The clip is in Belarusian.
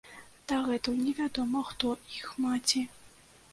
Дагэтуль невядома, хто іх маці.